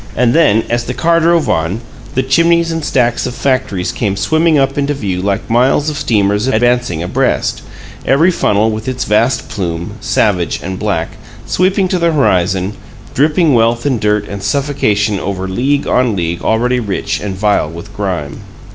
And then, as the car drove on, the chimneys and stacks of factories came swimming up into view like miles of steamers advancing abreast, every funnel with its vast plume, savage and black, sweeping to the horizon, dripping wealth and dirt and suffocation over league on league already rich and vile with grime.